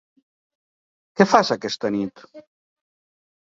què fas aquesta nit?